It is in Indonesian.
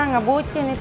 gak usah lo